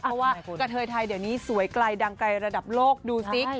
เพราะว่ากระเทยไทยเดี๋ยวนี้สวยไกลดังไกลระดับโลกดูสิ